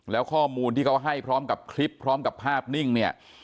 แล้วข้อมูลที่เขาให้พร้อมกับคลิปพร้อมกับภาพนิ่งเนี่ย